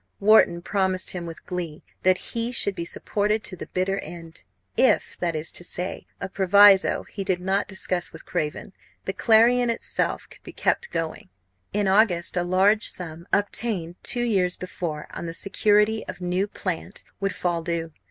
Wharton promised him with glee that he should be supported to the bitter end. If, that is to say a proviso he did not discuss with Craven the Clarion itself could be kept going. In August a large sum, obtained two years before on the security of new "plant," would fall due.